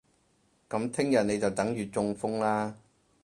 噉你聽日就等住中風啦